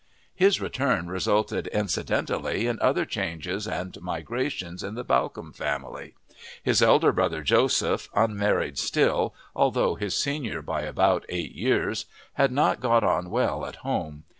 His return resulted incidentally in other changes and migrations in the Bawcombe family. His elder brother Joseph, unmarried still although his senior by about eight years, had not got on well at home.